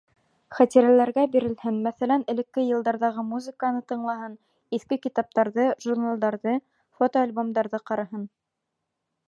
Хәтирәләргә бирелһен, мәҫәлән, элекке йылдарҙағы музыканы тыңлаһын, иҫке китаптарҙы, журналдарҙы, фотоальбомдарҙы ҡараһын.